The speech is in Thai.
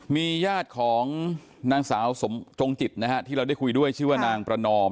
มีญาติของนางสาวสมจงจิตนะฮะที่เราได้คุยด้วยชื่อว่านางประนอม